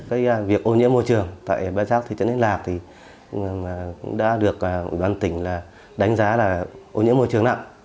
cái việc ô nhiễm môi trường tại bà giác thị trấn yên lạc thì cũng đã được ủy ban tỉnh đánh giá là ô nhiễm môi trường nặng